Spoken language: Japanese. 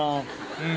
うん。